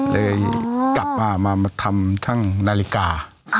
เลยกลับมามาทำช่างนาฬิกา